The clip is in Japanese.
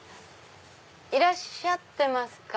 いらっしゃってますか？